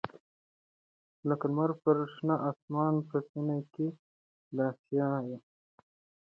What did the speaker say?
لکه لــــمــر پر شــــنه آســــمـــان په ســــینـه کـــي د آســــــــــیا به